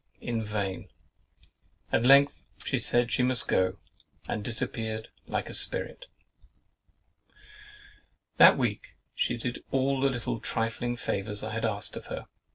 In vain! At length she said she must go, and disappeared like a spirit. That week she did all the little trifling favours I had asked of her.